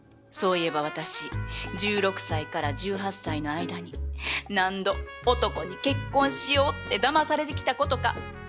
そういえば私１６歳から１８歳の間に何度男に「結婚しよう」ってだまされてきたことか。